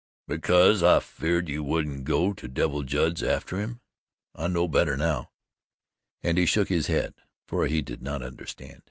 "Because I was afeerd you wouldn't go to Devil Judd's atter him. I know better now," and he shook his head, for he did not understand.